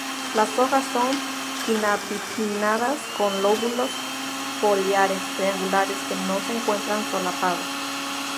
Las hojas son pinnatífidas, con lóbulos foliares triangulares que no se encuentran solapados.